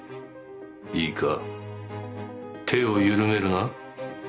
いいか手を緩めるな。